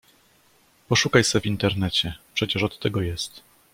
Poszukaj se w internecie, przecież od tego jest.